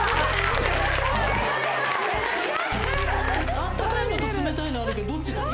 あったかいのと冷たいのあるけど、どっちがいい？